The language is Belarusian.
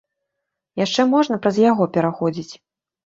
Яшчэ можна праз яго пераходзіць.